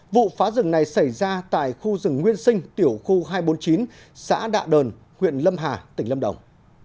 vụ phá rừng này xảy ra tại khu rừng nguyên sinh tiểu khu hai trăm bốn mươi chín xã đạ đờn huyện lâm hà tỉnh lâm đồng